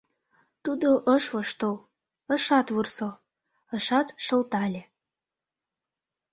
Тудо ыш воштыл, ышат вурсо, ышат шылтале.